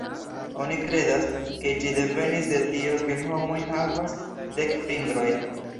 Oni kredas, ke ĝi devenis de tio ke homoj havas dek fingrojn.